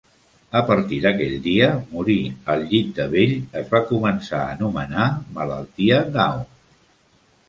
A partir d'aquell dia, morir al llit de vell es va començar a anomenar "malaltia d'Aun".